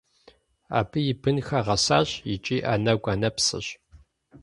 Абы и бынхэр гъэсащ икӏи анэгу-анэпсэщ.